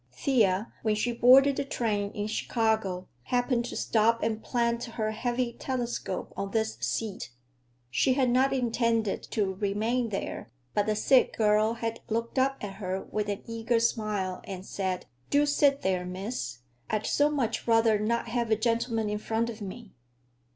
Thea, when she boarded the train in Chicago, happened to stop and plant her heavy telescope on this seat. She had not intended to remain there, but the sick girl had looked up at her with an eager smile and said, "Do sit there, miss. I'd so much rather not have a gentleman in front of me."